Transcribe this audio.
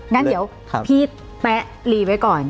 งั้นเดี๋ยวพี่แป๊ะรีไว้ก่อน